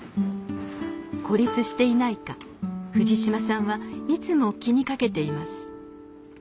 孤立していないか藤島さんはいつも気にかけています。